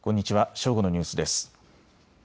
正午のニュースです。